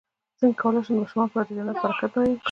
څنګه کولی شم د ماشومانو لپاره د جنت د برکت بیان کړم